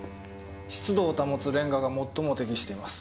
湿度を保つレンガが最も適しています。